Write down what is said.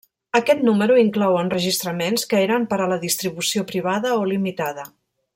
Aquest número inclou enregistraments que eren per a la distribució privada o limitada.